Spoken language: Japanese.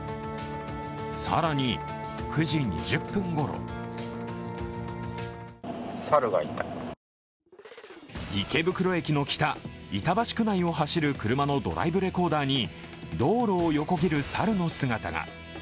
更に、９時２０分ごろ池袋駅の北、板橋区内を走る車のドライブレコーダーに道路を横切る猿の姿が。